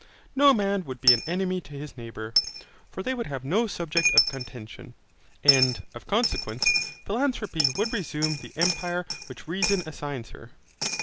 No man would be an enemy to his neighbour, for they would have no subject of contention, and, of consequence, philanthropy would resume the empire which reason assigns her.